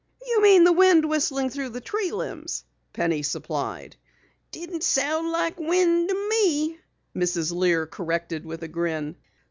"You mean the wind whistling through the tree limbs," Penny supplied. "Didn't sound like wind to me," Mrs. Lear corrected with a grin.